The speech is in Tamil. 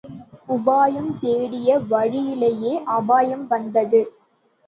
உபாயம் தேடிய வழியிலேயே அபாயம் வந்தது.